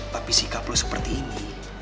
tapi sikap lo seperti ini